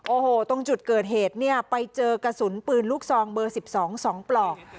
โอ้โหตรงจุดเกิดเหตุเนี่ยไปเจอกระสุนปืนลูกซองเบอร์๑๒๒ปลอก